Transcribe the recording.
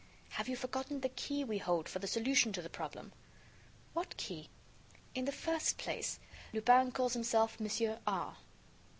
"Have you forgotten the key we hold for the solution to the problem?" "What key?" "In the first place, Lupin calls himself Monsieur R